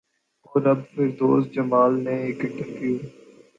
اور اب فردوس جمال نے ایک انٹرویو